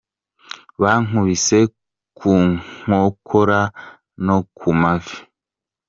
Bankubise ku nkokora no ku mavi.